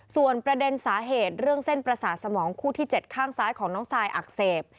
ส่วนประเด็นสาเหตุเรื่องเส้นประสาทสมองคู่ที่๗ข้างซ้ายของน้องซายอักเสบ